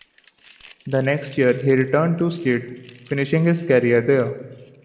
The next year he returned to Skeid, finishing his career there.